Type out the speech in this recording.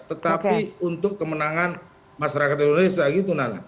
tetapi untuk kemenangan masyarakat indonesia